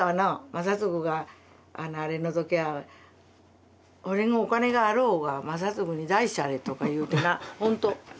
正嗣があれのときは「俺のお金があろうが正嗣に出しちゃれ」とか言うてなほんと。